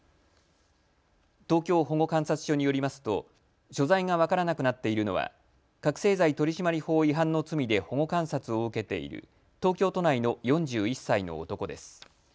東京保護観察所によりますと所在が分からなくなっているのは覚醒剤取締法違反の罪で保護観察を受けている東京都内の４１歳の男です。